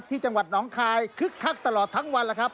ที่จังหวัดหนองคายคึกคักตลอดทั้งวันแล้วครับ